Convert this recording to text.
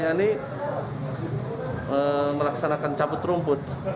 yaitu melaksanakan cabut rumput